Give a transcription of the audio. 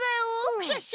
クシャシャ！